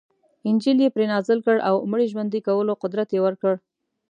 انجیل یې پرې نازل کړ او مړي ژوندي کولو قدرت یې ورکړ.